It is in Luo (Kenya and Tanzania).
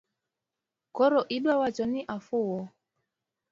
Koro iduawacho ni afuwo?